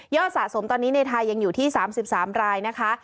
สะสมตอนนี้ในไทยยังอยู่ที่๓๓รายนะคะ